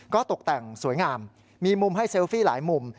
ก็ตกแต่งสวยงามมีมุมให้เซลฟี่หลายมุม